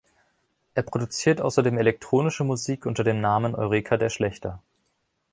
Er produziert außerdem elektronische Musik unter dem Namen Eureka der Schlächter.